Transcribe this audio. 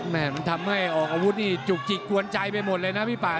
มันทำให้ออกอาวุธนี่จุกจิกกวนใจไปหมดเลยนะพี่ป่า